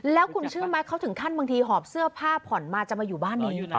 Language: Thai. แล้วคุณเชื่อไหมเขาถึงขั้นบางทีหอบเสื้อผ้าผ่อนมาจะมาอยู่บ้านนี้